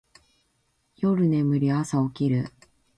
夜眠り、朝起きる